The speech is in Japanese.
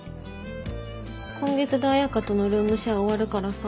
今月で綾花とのルームシェア終わるからさ。